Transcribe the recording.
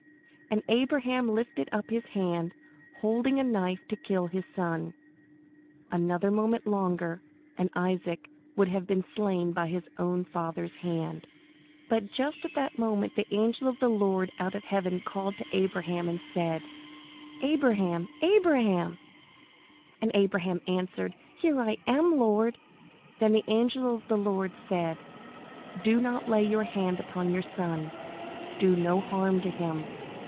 And Abraham lifted up his hand, holding a knife to kill his son. Another moment longer and Isaac would be slain by his own father's hand. [Illustration: "God will provide himself a lamb for a burnt offering"] But just at that moment the angel of the Lord out of heaven called to Abraham, and said: "Abraham! Abraham!" And Abraham answered, "Here I am, Lord." Then the angel of the Lord said: "Do not lay your hand upon your son. Do no harm to him.